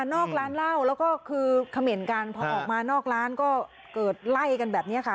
นอกร้านเหล้าแล้วก็คือเขม่นกันพอออกมานอกร้านก็เกิดไล่กันแบบนี้ค่ะ